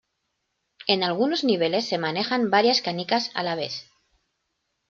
En algunos niveles se manejan varias canicas a la vez.